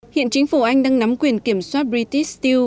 hiện chính phủ anh đang nắm quyền kiểm soát british steel